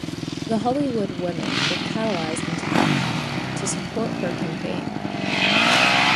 The Hollywood women were catalyzed into action to support her campaign.